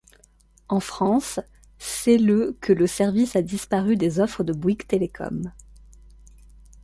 En France, c'est le que le service a disparu des offres de Bouygues Telecom.